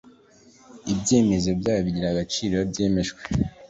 Ibyemezo byayo bigira agaciro iyo byemejwe